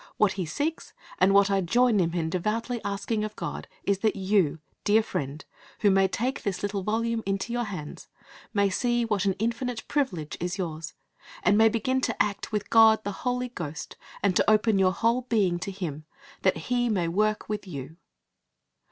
What he seeks, and what I join him in devoutly asking of God, is that you, dear friend, who may take this little volume into your hands, may see what an infinite privilege is yours, and may begin to act with God the Holy Ghost, and to open your whole being to Him, that He may work with you.